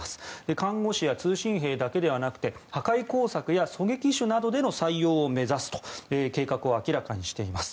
看護師や通信兵だけではなくて破壊工作や狙撃手などでの採用を目指すと計画を明らかにしています。